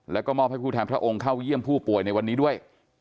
แล้วก็มอบให้ผู้แทนพระองค์เข้าเยี่ยมผู้ป่วยในวันนี้ด้วย